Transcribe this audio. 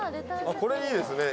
これいいですね。